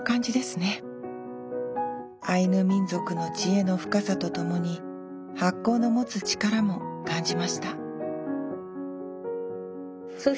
アイヌ民族の知恵の深さとともに発酵の持つ力も感じましたそう！